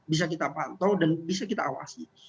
bisa kita pantau dan bisa kita awasi